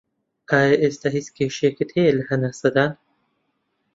ئایا ئێستا هیچ کێشەت هەیە لە هەناسەدان